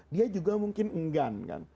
dia juga mungkin enggan kan